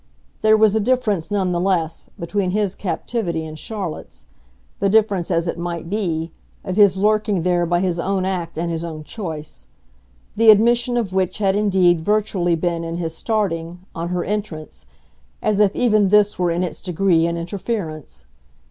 There was a difference none the less, between his captivity and Charlotte's the difference, as it might be, of his lurking there by his own act and his own choice; the admission of which had indeed virtually been in his starting, on her entrance, as if even this were in its degree an interference.